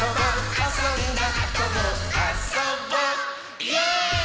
「あそんだあともあそぼいぇい！」